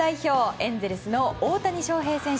エンゼルス大谷翔平選手。